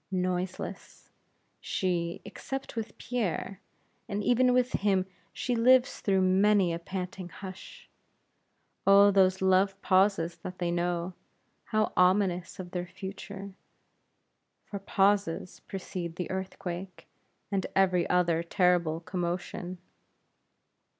Noiseless, she, except with Pierre; and even with him she lives through many a panting hush. Oh, those love pauses that they know how ominous of their future; for pauses precede the earthquake, and every other terrible commotion!